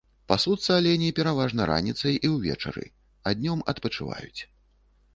Пасуцца алені пераважна раніцай і ўвечары, а днём адпачываюць.